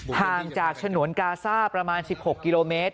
ห่างจากฉนวนกาซ่าประมาณ๑๖กิโลเมตร